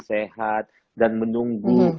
sehat dan menunggu